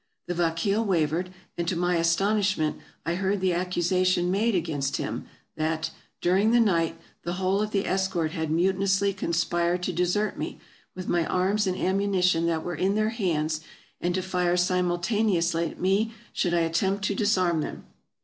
The vakeel wavered, and to my astonishment I heard the accusation made against him, that, "during the night, the whole of the escort had mutinously conspired to desert me, with my arms and am munition that were in their hands, and to fire simultaneously at me should I attempt to disarm them.